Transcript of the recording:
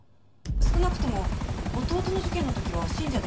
少なくとも弟の事件の時は信者ではないと。